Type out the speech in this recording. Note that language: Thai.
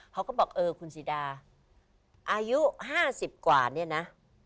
เขาก็บอกเออคุณสีดาอายุ๕๐กว่าเนี่ยนะ